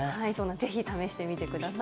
ぜひ試してみてください。